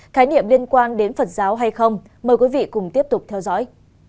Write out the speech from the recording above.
khái niệm liên quan đến phật giáo hay không mời quý vị cùng tiếp tục theo dõi